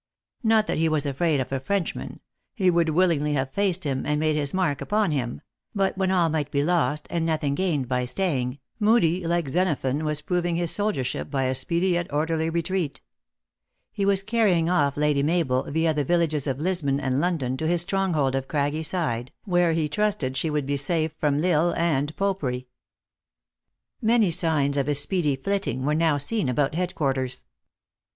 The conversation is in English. Not that he was afraid of a Frenchman he would willingly have faced him, and made his mark upon him but when all might be lost, and nothing gained by stay ing, Moodie, like Xenophon, was proving his soldier ship by a speedy, yet orderly retreat. He was carry 400 THE ACTRESS IN HIGH LIFE. ing off Lady Mabel, via the villages of Lisbon and London, to his stronghold of Craggy side, where, he trusted, she would be safe from L Isle and Popery. Many signs of a speedy flitting were now seen about head quarters.